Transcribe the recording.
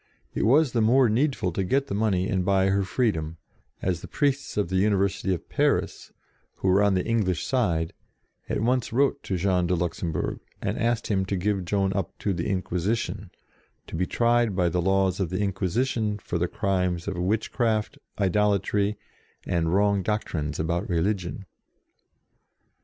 It was the more needful to get the money and buy her freedom, as the priests of the University of Paris, who were on the Eng lish side, at once wrote to Jean de Lux embourg (July 14), and asked him to give Joan up to the Inquisition, to be tried by the laws of the Inquisition for the crimes of witchcraft, idolatry, and wrong doctrines about religion.